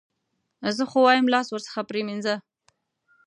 زه خو وایم لاس ورڅخه پرې مینځه.